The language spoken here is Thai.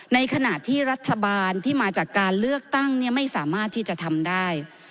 ในขณะที่รัฐบาลที่มาจากการเลือกตั้งไม่สามารถที่จะทำได้